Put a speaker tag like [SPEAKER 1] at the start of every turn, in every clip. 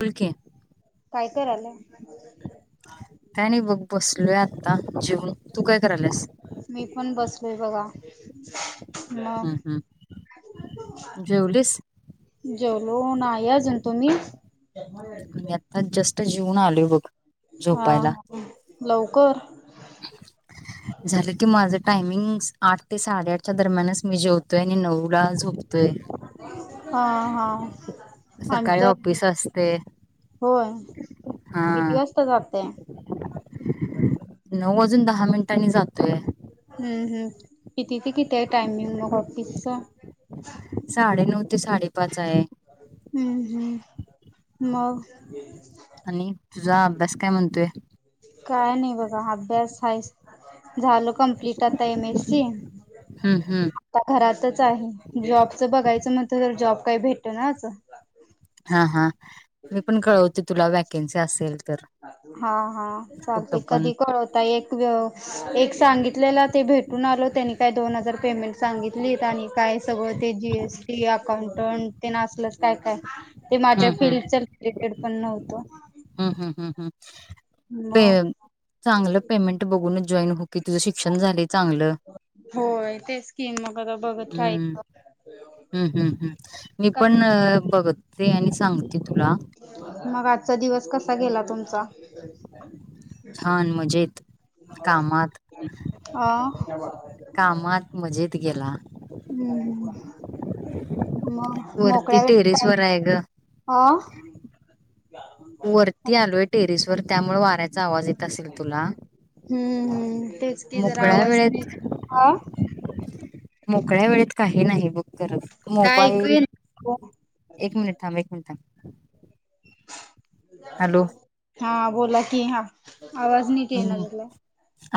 [SPEAKER 1] बोल की
[SPEAKER 2] काय करायलाय?
[SPEAKER 1] काय नाई बग बस. उठलोय आत्ता जेवून. तू काय करायल्यास?
[SPEAKER 2] लोय बघा. ह
[SPEAKER 1] हम्म हम्म
[SPEAKER 2] [unintelligible]
[SPEAKER 1] जेवलीस?
[SPEAKER 2] जेवलो नाई अजून. तुम्ही?
[SPEAKER 1] मी आता जस्टच जेवून कोण आलय बघ.
[SPEAKER 2] हा
[SPEAKER 1] झोपायला
[SPEAKER 2] हा. लवकर.
[SPEAKER 1] झालं की माझं. टायमिंग् आठ ते साडेआठच्या दरम्यानच मी जेवतोय आणि नऊला झोपतोय.
[SPEAKER 2] हा हा. आमी
[SPEAKER 1] सकाळी
[SPEAKER 2] तर
[SPEAKER 1] ऑफिस असते
[SPEAKER 2] होय
[SPEAKER 1] हा
[SPEAKER 2] किती वाजता जातय?
[SPEAKER 1] नऊ वाजून दहा मिनट. त्यांनी जातोय.
[SPEAKER 2] हम्म हम्म किती ते किती आहे टायमिंग? मग ऑफिसच.
[SPEAKER 1] साडे नऊ ते साडे.. पाच आहे.
[SPEAKER 2] हम्म हम्म मग.
[SPEAKER 1] आणि तुझा अभ्यास काय म्हणतोय?
[SPEAKER 2] काय नाही बघा, अभ्यास [unintelligible] झाल कंप्लीट आता एम एस सी.
[SPEAKER 1] हूं.. हूं.
[SPEAKER 2] इथच हाय, जॉबच बघायचं म्हणतय, तर जॉब काय भेटनाच.
[SPEAKER 1] हा.. हा.. मी पण कळवते. तुला वॅकॅन्सी असेल. तर
[SPEAKER 2] हा हा चालतय,
[SPEAKER 1] कुठं पण
[SPEAKER 2] कधी कळवता एक.. एक सांगितलेला ते भेटून आलो त्यांनी काय दोन हजार पेमेंट सांगित लीत आणि काय सगळं ते जी एस टी अकाउंटंट ते न असलच काय काय ते माझ्या
[SPEAKER 1] हम्म
[SPEAKER 2] फिल्डच रिलेटेड. उत्पन्न होतो.
[SPEAKER 1] ह ह ह ह पे
[SPEAKER 2] मग
[SPEAKER 1] चांगलं पेमेंट बघुनच.. जॉईन हो. कि तुझं शिक्षण झालं चांगलं.
[SPEAKER 2] होय तेच की मग आता बघत
[SPEAKER 1] हूं..
[SPEAKER 2] राहायचं
[SPEAKER 1] हूं.. हूं.. हूं मी पण बघत ते आणि सांगते तुला..
[SPEAKER 2] मग आजचा दिवस कसा गेला तुमचा..?
[SPEAKER 1] छान, मजेत, कामात.
[SPEAKER 2] [inaudible]
[SPEAKER 1] कामात मजेत गेला.
[SPEAKER 2] हूं.. हूं.. हूं..
[SPEAKER 1] वरती,
[SPEAKER 2] वेळेत काय
[SPEAKER 1] टेरिसवर आहे ग.
[SPEAKER 2] [unintelligible]
[SPEAKER 1] वरती आलोय, टेरिसवर... त्यामुळे वाऱ्याचा आवाज येत असेल तुला...
[SPEAKER 2] हम्म हम्म तेच की जरा
[SPEAKER 1] मोकळ्या
[SPEAKER 2] आवाज
[SPEAKER 1] वेळेत मोकळ्या वेळेत काही नाही बघ. करायचं,
[SPEAKER 2] काय ऐकू
[SPEAKER 1] मोबाईल,
[SPEAKER 2] येईना
[SPEAKER 1] एक मिनिट थांब, एक मिनिट थांब.. [inaudible] हॅलो..
[SPEAKER 2] हा.. बोला की, हा आवाज नीट येईना
[SPEAKER 1] हम्म
[SPEAKER 2] झालाय,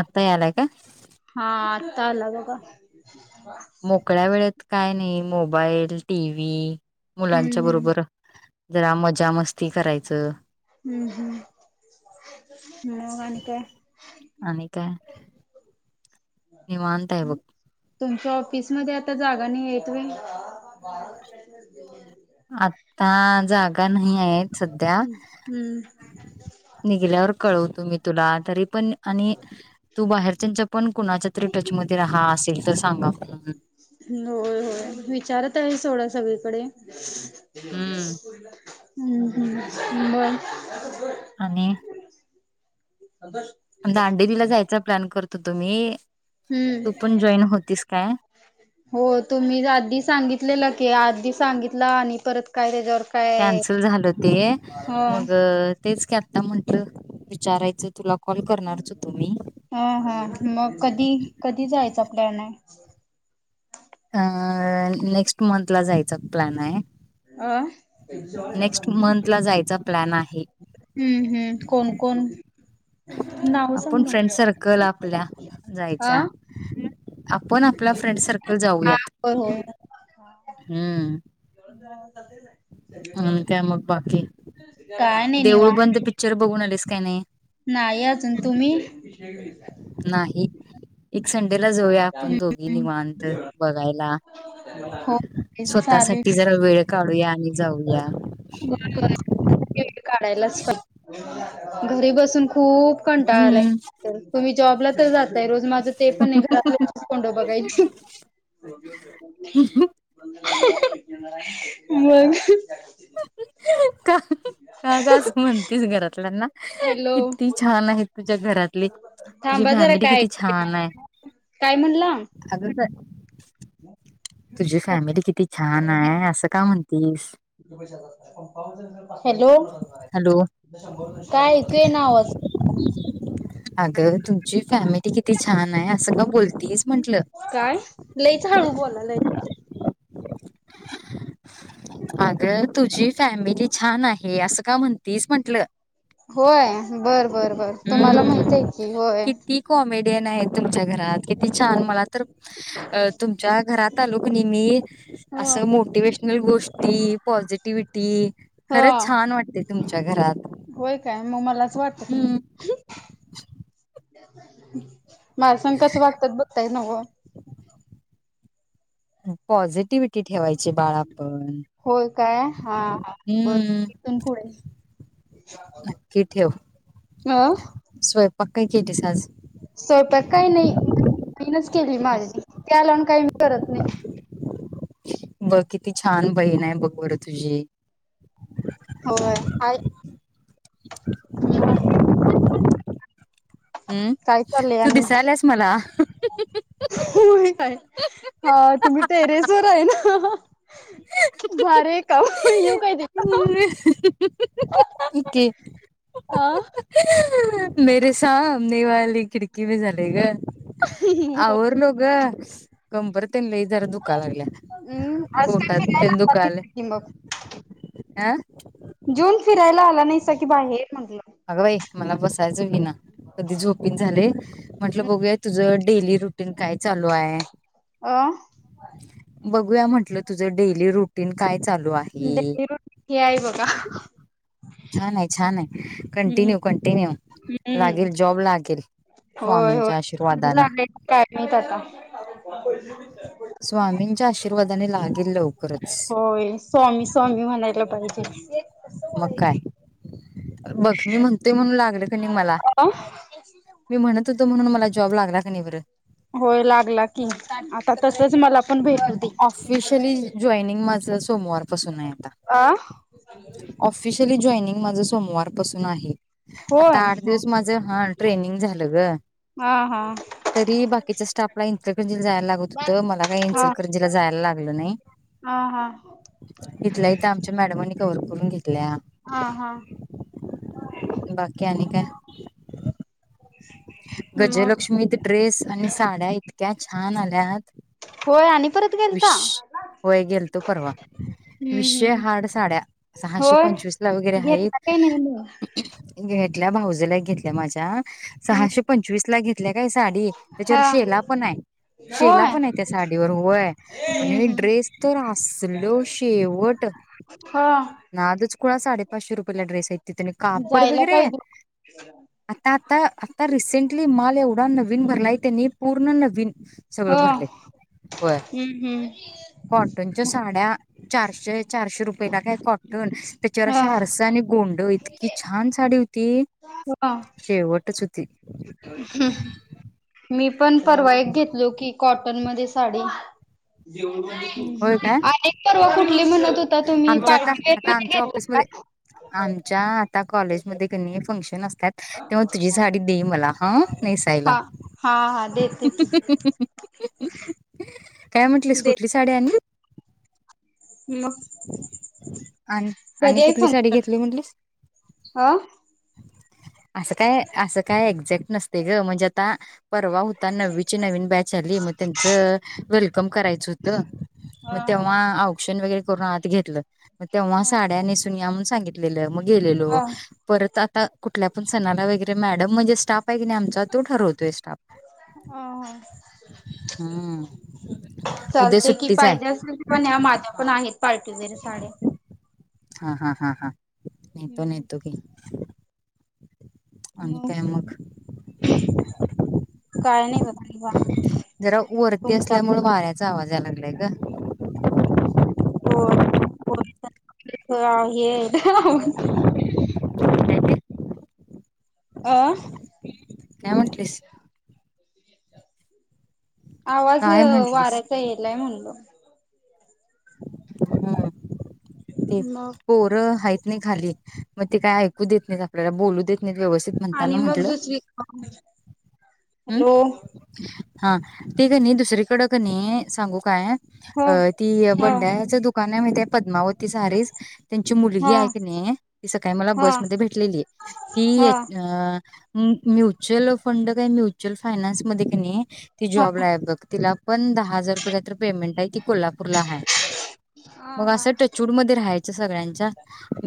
[SPEAKER 1] आत्ता यालाय का
[SPEAKER 2] हा... आत्ता आला बघा.
[SPEAKER 1] मोकळ्या वेळेत काय नाही मोबाईल टीव्ही मुलांच्या
[SPEAKER 2] हम्म हम्म.
[SPEAKER 1] बरोबर जरा मजा मस्ती करायच.
[SPEAKER 2] हम्म हम्म. मग आणि काय
[SPEAKER 1] आणि काय निवांत आहे बघ.
[SPEAKER 2] तुमच्या ऑफिस मध्ये आता जागा नाही येत व्हय.
[SPEAKER 1] आता जागा नाही. नाहीयेत सध्या,
[SPEAKER 2] हम्म
[SPEAKER 1] निघल्यावर कळवतो मी. तुला तरी पण आणि तू बाहेरच्यांच्या पण कुणाच्या तरी टच मधे राहा असेल त सांगा. म्हणून.
[SPEAKER 2] होय होय विचारतय सोडा. सगळीकडे. ह
[SPEAKER 1] हम्म.
[SPEAKER 2] [unintelligible] हम हम बर.
[SPEAKER 1] आणि
[SPEAKER 2] [unintelligible]
[SPEAKER 1] दांडेली ला जायच प्लॅन करत होतो मी.
[SPEAKER 2] हम्म,
[SPEAKER 1] तू पण जॉईन होतीस काय?
[SPEAKER 2] हो तुम्ही आधी सांगितलेल की आधी सांगित ला आणि परत काय त्याच्यावर काय
[SPEAKER 1] कॅन्सल झाल ते,
[SPEAKER 2] हो
[SPEAKER 1] मग तेच की. आता म्हटल विचारायच तुला. कॉल करणारच होतो मी.
[SPEAKER 2] हा हा, मग कधी कधी जायचा प्लॅन हाय. [unintelligible]
[SPEAKER 1] अ नेक्स्ट मंथ ला जायचा प्लॅनाय.
[SPEAKER 2] अ, हम्म
[SPEAKER 1] मंथला जायचा प्लॅन आहे.
[SPEAKER 2] हम्म कोण कोण. नाव सांग
[SPEAKER 1] आपण फ्रेंड
[SPEAKER 2] ना.
[SPEAKER 1] सर्कल आपल्या,
[SPEAKER 2] हा
[SPEAKER 1] जायच्या. आपण आपला फ्रेंड सर्कल जाऊयात.
[SPEAKER 2] हा.
[SPEAKER 1] हम्म.
[SPEAKER 2] [unintelligible]
[SPEAKER 1] आणि काय मग बाकी.
[SPEAKER 2] काय नाही
[SPEAKER 1] देऊळ
[SPEAKER 2] निवांत
[SPEAKER 1] बंद पिक्चर बघून आलीस कन्हई.
[SPEAKER 2] नाही अजून तुम्ही
[SPEAKER 1] नाही एक संडेला जऊया आपण दोघी निवांत बघायला,
[SPEAKER 2] हो चालेल.
[SPEAKER 1] स्वतःसाठी जरा वेळ काढूया आणि जाऊया.
[SPEAKER 2] यायलाच पा घरी बसून खूप कंटाळा
[SPEAKER 1] हम्म.
[SPEAKER 2] आलाय तुम्ही जॉबला तर जा ताय रोज माझं ते पण घरातल्यांचीच तोंड बघायची. मग
[SPEAKER 1] का का ग अस म्हणतीस घरातल्यांना.
[SPEAKER 2] हॅलो
[SPEAKER 1] किती छान आहेत तुझ्या घरातली तुझी
[SPEAKER 2] थांबा जरा
[SPEAKER 1] फॅमिली
[SPEAKER 2] काय
[SPEAKER 1] किती छान आहे.
[SPEAKER 2] काय म्हणला?
[SPEAKER 1] अग किती
[SPEAKER 2] [inaudible]
[SPEAKER 1] छान आहे असं का म्हणतीस?
[SPEAKER 2] हॅलो
[SPEAKER 1] हॅलो
[SPEAKER 2] काय ऐकु येईना आवाज.
[SPEAKER 1] अग तुम ची फॅमिती किती छान आहे असं का बोलतीस म्हंटल
[SPEAKER 2] काय लईच हळू बोलालायसा.
[SPEAKER 1] अगं तुझी फॅमिली छान आहे असं का म्हणतीस म्हंटलं.
[SPEAKER 2] होय बर बर बर तुम्हाला माहित आहे की होय.
[SPEAKER 1] ते नाही तुमच्या घरात किती छान मला तर तुमच्यात घरात आलो कणी मी
[SPEAKER 2] हा
[SPEAKER 1] असं मोटिवेशनल गोष्टी पॉझिटिव्हटी खरच छान वाटते तुमच्या घरात
[SPEAKER 2] होय काय मग मलाच वाटत
[SPEAKER 1] हं
[SPEAKER 2] [inaudible] माझ्यासंग कसं वागत्यात बघताय नव्ह
[SPEAKER 1] पॉझिटिव्हि ठेवायची बाळा आपण
[SPEAKER 2] होय काय हा हा बर
[SPEAKER 1] हं
[SPEAKER 2] इथून पुढे
[SPEAKER 1] नक्की ठेव
[SPEAKER 2] अ
[SPEAKER 1] स्वय पाक काय केलीस आज
[SPEAKER 2] स्वयपाक काय नाही तीनच केली
[SPEAKER 1] हं.
[SPEAKER 2] माझी ती आल्या करत नाही
[SPEAKER 1] बघ किती छान बहीण आहे बघ बरं तुझी
[SPEAKER 2] होय आई मग
[SPEAKER 1] हम्म
[SPEAKER 2] काय चाललंय
[SPEAKER 1] तू
[SPEAKER 2] आणि
[SPEAKER 1] दिसायलास मला [unintelligible]
[SPEAKER 2] होय काय हा तुम्ही टेरेस वर आहे ना भारी आहे काम येऊ काय तिथं
[SPEAKER 1] इकी
[SPEAKER 2] आ
[SPEAKER 1] मेरे सामनेवाली खिडकी मे झालयं गं आवरलो ग कबंर तेन लय जरा दुखाय लागलीया
[SPEAKER 2] हम्म आज काय फिरायला
[SPEAKER 1] कबंरतेन
[SPEAKER 2] आला
[SPEAKER 1] दुखालय
[SPEAKER 2] की मग
[SPEAKER 1] आह
[SPEAKER 2] जून फिरायला आला नाहीसा की बाहेर म्हटलं
[SPEAKER 1] अग बाई मला बसायचं व्हिना कधी झोपीन झाले म्हटलं बघूया तुझं डेली रुटीन काय चालू हाय
[SPEAKER 2] अ
[SPEAKER 1] बघूया म्हटलं तुझं डेली रुटीन कायचा
[SPEAKER 2] डेली रूटीन हे आहे बघा
[SPEAKER 1] छान आहे, छान आहे
[SPEAKER 2] हम्म
[SPEAKER 1] कंटिन्यू, कंटिन्यू
[SPEAKER 2] हम्म
[SPEAKER 1] लागेल जॉब लागेल
[SPEAKER 2] होय होय
[SPEAKER 1] स्वामींच्या
[SPEAKER 2] कधी
[SPEAKER 1] आशीर्वादानं
[SPEAKER 2] लागले काय माहित आता
[SPEAKER 1] स्वामींच्या आशीर्वा वजने लहान
[SPEAKER 2] होय स्वामी स्वामी म्हणायला पाहिजे
[SPEAKER 1] मग काय बघ मी म्हणतोय म्हणून लागल की नाही मला
[SPEAKER 2] अ
[SPEAKER 1] मी म्हणत होतो म्हणून मला जॉब लागला की नाही बर!
[SPEAKER 2] होय लागला कि आता तसच मला पण भेटू दे
[SPEAKER 1] ऑफिशियली जॉईनिंग माझं
[SPEAKER 2] अ
[SPEAKER 1] ऑफिशिअली जोइनिंग माझं सोमवारपासून आहे. आता
[SPEAKER 2] होय
[SPEAKER 1] आठ
[SPEAKER 2] हो
[SPEAKER 1] दिवस माझ ह ट्रेनिंग झालं ग
[SPEAKER 2] हा हा
[SPEAKER 1] तरी बाकीच्या स्टाफला इचलकरंजीला जायला लागत होत मला काय
[SPEAKER 2] हा
[SPEAKER 1] इचलकरंजी जायला लागल नाही
[SPEAKER 2] हा हा
[SPEAKER 1] इथल्या इथ आमच्या मॅडमनी कव्हर करून घेतल्या
[SPEAKER 2] हा हा
[SPEAKER 1] बाकी आणि काय
[SPEAKER 2] म
[SPEAKER 1] गजलक्ष्मीत ड्रेस आणि साड्या इतक्या छान आल्यात
[SPEAKER 2] होय आणि परत गेलता
[SPEAKER 1] विष होय गेल्तो परवा
[SPEAKER 2] हम्म
[SPEAKER 1] विषय
[SPEAKER 2] हम्म
[SPEAKER 1] हार्ड साड्या सहाशे
[SPEAKER 2] होय
[SPEAKER 1] पंचवीस ला वैगेरे
[SPEAKER 2] घेतला
[SPEAKER 1] हाईत
[SPEAKER 2] काही नाही
[SPEAKER 1] घ्या इथल्या भावजयला एक घेतलय माझ्या
[SPEAKER 2] मग
[SPEAKER 1] सहाशे पंचवीस ला घेतल्या काय साडी त्याच्यावर
[SPEAKER 2] हा
[SPEAKER 1] शेला पण आहे शेला
[SPEAKER 2] होय
[SPEAKER 1] पण आहे त्या साडीवर वय आणि
[SPEAKER 2] हम्म
[SPEAKER 1] ड्रेस
[SPEAKER 2] हम्म
[SPEAKER 1] तर असल शेवट
[SPEAKER 2] हा
[SPEAKER 1] नादच कुळा साडीत पाचशे रुपयेला ड्रेस आहेत तिथं कापड
[SPEAKER 2] जायला
[SPEAKER 1] वगैरे
[SPEAKER 2] पाहिजे
[SPEAKER 1] आता आता रिसेेंटली माल एवढा नवीन भरलाय त्यांनी पूर्ण नवीन सगळ
[SPEAKER 2] हो
[SPEAKER 1] भरलय होय.
[SPEAKER 2] हम्म हम्म
[SPEAKER 1] कॉटनच्या साड्या चारशे चारशे रुपयेला काय कॉ त्याच्यावर
[SPEAKER 2] हा
[SPEAKER 1] अशा आरसा आणि गोंड इत इतकी छान साडी होती.
[SPEAKER 2] हा
[SPEAKER 1] शेवटच हो
[SPEAKER 2] [inaudible] मी पण परवा एक घेतलो की कॉटन मध्ये साडी
[SPEAKER 1] होय काय
[SPEAKER 2] अनेक परवा कुठली म्हणत होता तुम्ही
[SPEAKER 1] आमच्या आता
[SPEAKER 2] पार्टीवेअर
[SPEAKER 1] आता
[SPEAKER 2] मध्ये
[SPEAKER 1] आमच्या
[SPEAKER 2] घेतला
[SPEAKER 1] ऑफिसमध्ये
[SPEAKER 2] का
[SPEAKER 1] आमच्या आता कॉलेज मध्ये क नई फंक्शन असतात तेव्हा तुझी साडी दे मला हा नेसायला
[SPEAKER 2] हा हा हा देते की
[SPEAKER 1] काय म्हटलीस
[SPEAKER 2] दे
[SPEAKER 1] कुठलीस साडी आणि
[SPEAKER 2] मग
[SPEAKER 1] आन आणि
[SPEAKER 2] कधी आहे
[SPEAKER 1] कुठली साडी
[SPEAKER 2] फंक्शन
[SPEAKER 1] घेतली म्हटलीस
[SPEAKER 2] अ
[SPEAKER 1] असं काय असं काय एक्झॅक्ट नसते ग म्हणजे आता. परवा हुता, नववीची नवीन बॅच आली मग त्यांच वेल कम करायच हुत मग
[SPEAKER 2] हा हा
[SPEAKER 1] तेव्हा औक्षण वगैरे करून आत घेतलं. मग तेव्हा
[SPEAKER 2] हा
[SPEAKER 1] साड्या नेसून या म्हणून सांगितल. [unintelligible] मग गेलेलो
[SPEAKER 2] हा
[SPEAKER 1] परत आता कु कुठल्या पण सणाला वगैरे मॅडम म्हणजे स्टाप
[SPEAKER 2] अ
[SPEAKER 1] हम्म उद्या
[SPEAKER 2] चालते कि
[SPEAKER 1] सुट्टीच आहे
[SPEAKER 2] पाहिजे असेल पण [unintelligible] माझ्या पण आहेत. पार्टीवेअर साड्या
[SPEAKER 1] हा हा हा हा नेतो
[SPEAKER 2] हम्म
[SPEAKER 1] नेतो की आणि काय मग?
[SPEAKER 2] काय नाही बघा निवांत
[SPEAKER 1] जरा वरती असल्यामुळ
[SPEAKER 2] तुमच्याकडून
[SPEAKER 1] वाऱ्याचा आवाज याय लागलाय ग
[SPEAKER 2] [unintelligible] आहेत.
[SPEAKER 1] काय म्हंटलीस?
[SPEAKER 2] आवाज
[SPEAKER 1] काय म्हंटलीस
[SPEAKER 2] वाऱ्यायचा येलाय म्हणलो.
[SPEAKER 1] हम्म ते
[SPEAKER 2] मग
[SPEAKER 1] पोर हायत नई खाली मग ते काय ऐकू देत नईत आपल्याला, बोलू देत नईत व्यवस्थित
[SPEAKER 2] आणि
[SPEAKER 1] म्हणताना
[SPEAKER 2] मग
[SPEAKER 1] म्हंटल
[SPEAKER 2] दुसरी
[SPEAKER 1] हम्म्
[SPEAKER 2] हॅलो
[SPEAKER 1] हा ते कणी दुसरीकड कणी सांगू काय
[SPEAKER 2] ह
[SPEAKER 1] अ ती
[SPEAKER 2] ह
[SPEAKER 1] बंडाऱ्याच दुकानाय म्हायताय? पद्मावत् ती सारीच त्यांची
[SPEAKER 2] ह
[SPEAKER 1] मुलगी हाय कणी, ती सकाळी मला
[SPEAKER 2] ह ह
[SPEAKER 1] बसमध्ये भेटलेली, ती ये
[SPEAKER 2] ह
[SPEAKER 1] अ ऊ म्युच्युअल फंड काय म्यू म्यच्युअल फयनान्समध्ये का नाही ती जॉबला आय बघ तिला पण दहा हजार रुपये कातर पेमेंट आहे ती कोल्हापूरला हाय
[SPEAKER 2] हा
[SPEAKER 1] मग
[SPEAKER 2] हा
[SPEAKER 1] अस टचवूड मध्ये राहायच. च सगळ्यांच्या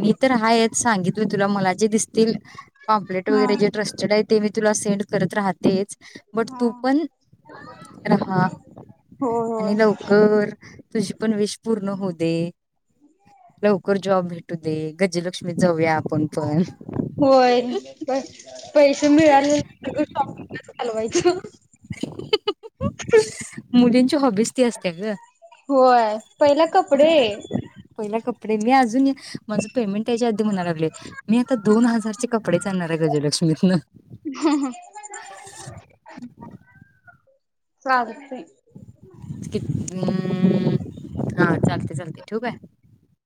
[SPEAKER 1] मी तर हायच सांगितले तुला, मला जे दिसतील पॅम्प्लेट
[SPEAKER 2] हा
[SPEAKER 1] वगैरे जे ट्रस्टेड आय ते मी तुला सेंड करत राहात तेच बट
[SPEAKER 2] हा
[SPEAKER 1] तू पण राहा
[SPEAKER 2] होय
[SPEAKER 1] आणि लवकर तुझी पण विश पूर्ण होउ दे, लवकर जॉब भे तू दे गजलक्ष्मीत जाऊ या
[SPEAKER 2] होय पैसे मिळालेल सगळं शॉपिंगलाच घालवायचं
[SPEAKER 1] मुलींची हॉबीज ती असते ग
[SPEAKER 2] होय पहिला कपडे
[SPEAKER 1] [unintelligible] मी अजूनही माझं पेमेंट तेज्या ‌आदी म्हणाय लागलोय मी आता दोन हजारचे कपडेचं आणणार ते गजलक्ष्मीतंन
[SPEAKER 2] [inaudible] चालतंय
[SPEAKER 1] [unintelligible] हूं हां चालतंय चालतंय ठेऊ काय?